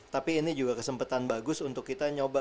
tapi ini juga kesempatan bagus untuk kita nyoba